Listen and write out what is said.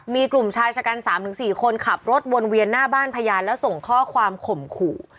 มีกลุ่มชายชะกัน๓๔คนขับรถวนเวียนหน้าบ้านพยานแล้วส่งข้อความข่มขู่